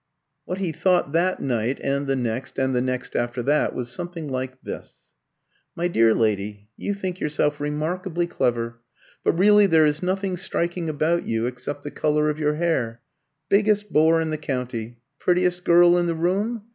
What he thought that night, and the next, and the next after that, was something like this: "My dear lady, you think yourself remarkably clever. But really there is nothing striking about you except the colour of your hair. Biggest bore in the county prettiest girl in the room?